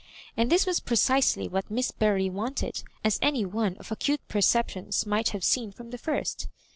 And this was precisely what Miss Bury wanted, as any one of acute perceptions might have seen fi*om the first.